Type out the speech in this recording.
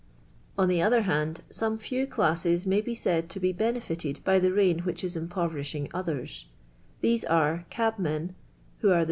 On ilie other hind, >ome few classes may be Slid to h' liMH iited by the rain which is im jM)v»'ri !iin;f iith' r. *: these are cabmen (who are the l.